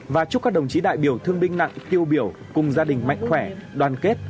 và chúc các đồng chí đại biểu thương binh nặng tiêu biểu cùng gia đình mạnh khỏe đoàn kết